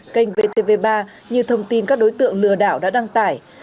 kênh vtv ba như thông tin các đối tượng lừa đảo đã đăng tải